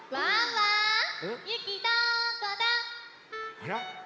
あら？